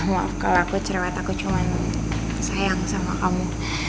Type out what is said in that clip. maaf kalau aku cerewet aku cuman sayang sama kamu